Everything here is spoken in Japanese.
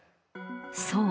そう。